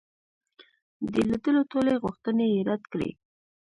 د لیدلو ټولي غوښتني یې رد کړې.